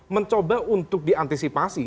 mencoba untuk diantisipasi